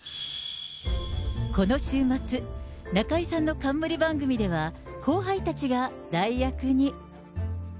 この週末、中居さんの冠番組では、後輩たちが代役に。